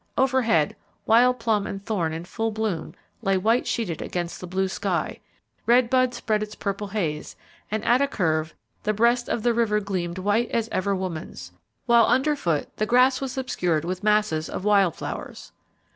Overhead wild plum and thorn in full bloom lay white sheeted against the blue sky; red bud spread its purple haze, and at a curve, the breast of the river gleamed white as ever woman's; while underfoot the grass was obscured with masses of wild flowers.